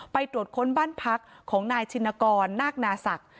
ตรวจค้นบ้านพักของนายชินกรนาคนาศักดิ์